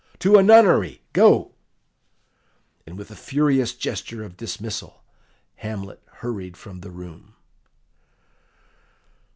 To a nunnery, go!" And with a furious gesture of dismissal Hamlet hurried from the room.